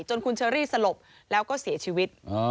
คุณเชอรี่สลบแล้วก็เสียชีวิต